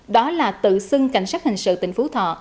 đó là tự xưng cảnh sát hình sự tỉnh phú thọ